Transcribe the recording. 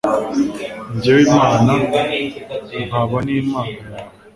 jyewe imana, nkaba n'imana yawe